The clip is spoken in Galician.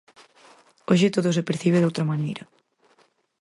Hoxe todo se percibe doutra maneira.